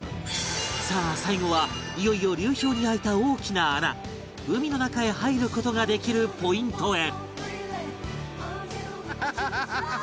さあ最後はいよいよ流氷に開いた大きな穴海の中へ入る事ができるポイントへ